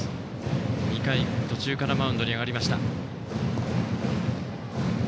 ２回途中からマウンドに上がりました。